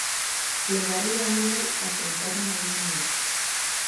Levarei a Haníbal a que o enterren alí mañá.